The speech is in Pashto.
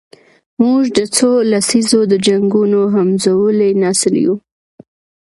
موږ د څو لسیزو د جنګونو همزولی نسل یو.